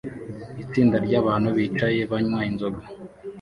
Itsinda ryabantu bicaye banywa inzoga